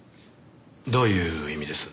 どういう意味です？